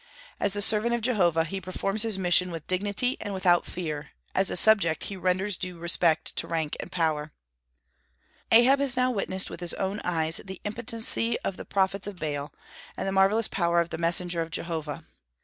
As the servant of Jehovah, he performs his mission with dignity and without fear; as a subject, he renders due respect to rank and power. Ahab has now witnessed with his own eyes the impotency of the prophets of Baal, and the marvellous power of the messenger of Jehovah.